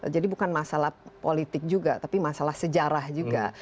jadi bukan masalah politik juga tapi masalah sejarah juga